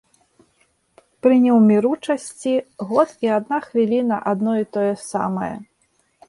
Пры неўміручасці год і адна хвіліна адно і тое самае.